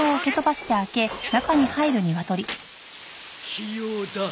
器用だ。